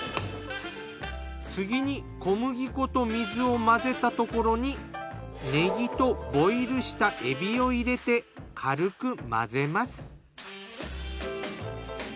次に小麦粉と水を混ぜたところにねぎとボイルしたエビを入れて軽く混ぜます。